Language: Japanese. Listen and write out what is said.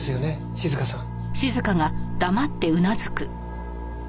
静香さん。